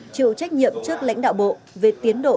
chịu trách nhiệm trước lãnh đạo bộ về tiến độ